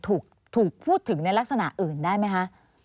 ถูกพูดถึงในลักษณะอื่นได้ไหมคะ